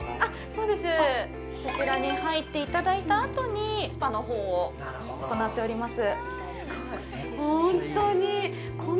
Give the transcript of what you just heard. そちらに入っていただいたあとにスパのほうを行っております